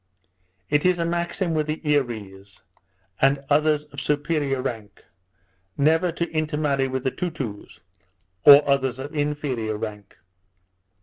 It is a maxim with the Earees, and others of superior rank, never to intermarry with the Toutous, or others of inferior rank.